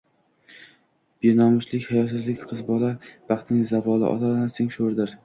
Benomuslik, hayosizlik qiz bola baxtining zavoli, ota-onaning sho‘ridir.